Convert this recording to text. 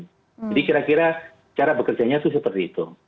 jadi kira kira cara bekerjanya itu seperti itu